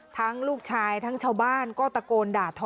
ลูกชายทั้งชาวบ้านก็ตะโกนด่าทอ